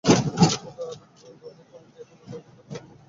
খোদার দোহাই, খুনিটা এখনো ওটার ভেতরে থাকতে পারে।